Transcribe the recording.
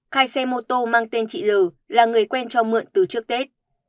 khai xe mô tô mang tên chị l là người quen cho mượn từ trước tết